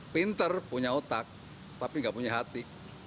pinter punya otak tapi gak punya hati